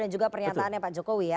dan juga pernyataannya pak jokowi ya